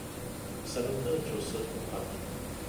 Senator Joseph McCarthy.